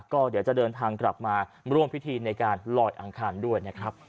ก็เดี๋ยวจะเดินทางกลับมาร่วมพิธีในการลอยอังคารด้วยนะครับ